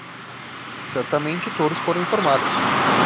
Certamente todos foram informados